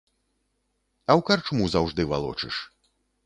А ў карчму заўжды валочыш.